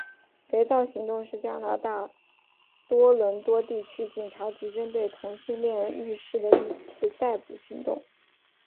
肥皂行动是加拿大大多伦多地区警察局针对同性恋浴室的一次逮捕行动。